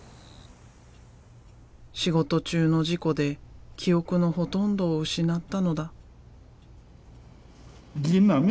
仕事中の事故で記憶のほとんどを失ったのだ。